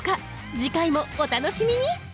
次回もお楽しみに！